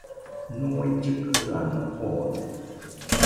ñue llɨkɨano joone